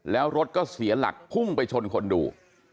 แล้วรถก็เสียหลักพุ่งไปชนคนดู